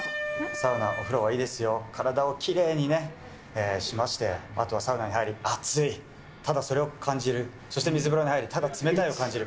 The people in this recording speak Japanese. サウナ、お風呂はいいですよ、体をきれいにしまして、あとはサウナに入る、熱い、ただそれを感じる、そして水風呂に入る、ただ冷たいを感じる。